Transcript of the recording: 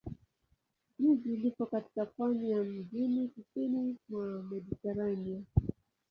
Jiji lipo katika pwani ya mjini kusini mwa Mediteranea.